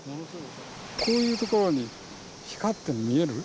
こういうところに光ってるの見える？